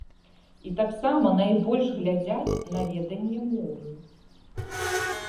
І таксама найбольш глядзяць на веданне мовы.